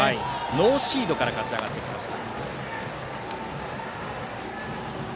ノーシードから勝ち上がってきました。